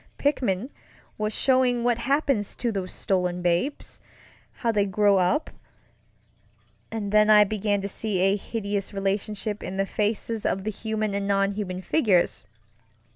Pickman was showing what happens to those stolen babesŌĆöhow they grow upŌĆöand then I began to see a hideous relationship in the faces of the human and non human figures.